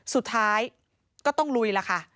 สุดท้ายก็ต้องลุยล่ะค่ะ